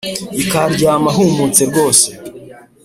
, Ikaharyama humutse rwose